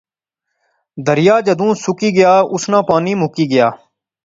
دریا جدوں سکی گیا، اس ناں پانی مکی گیا